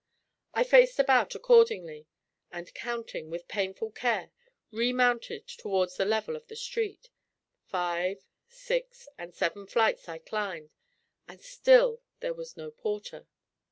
I faced about accordingly, and counting with painful care, remounted towards the level of the street. Five, six, and seven flights I climbed, and still there was no porter.